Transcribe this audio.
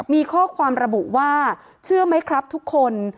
มีข้อความระบุว่าเชื่อไหมครับทุกคน